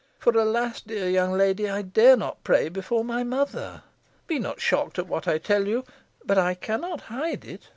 For, alas! dear young lady, I dare not pray before my mother. Be not shocked at what I tell you, but I cannot hide it.